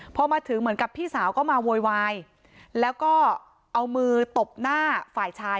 พอมาถึงเหมือนกับพี่สาวก็มาโวยวายแล้วก็เอามือตบหน้าฝ่ายชาย